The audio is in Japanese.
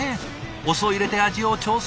お酢を入れて味を調整。